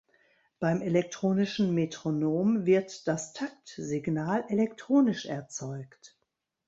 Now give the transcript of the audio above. Beim elektronischen Metronom wird das Taktsignal elektronisch erzeugt.